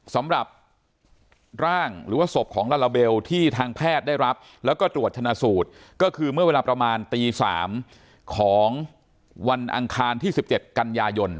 สำหรับร่างหรือว่าศพของลาลาเบลที่ทางแพทย์ได้รับแล้วก็ตรวจชนะสูตรก็คือเมื่อเวลาประมาณตี๓ของวันอังคารที่๑๗กันยายน